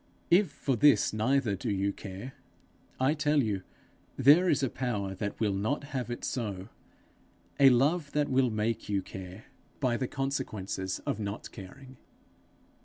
If for this neither do you care, I tell you there is a Power that will not have it so; a Love that will make you care by the consequences of not caring.